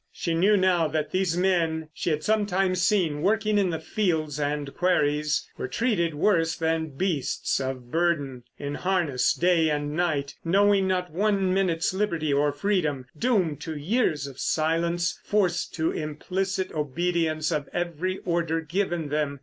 She knew now that these men she had sometimes seen working in the fields and quarries were treated worse than beasts of burden; in harness day and night, knowing not one minute's liberty or freedom; doomed to years of silence, forced to implicit obedience of every order given them.